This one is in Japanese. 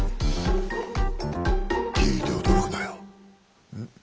聞いて驚くなよ。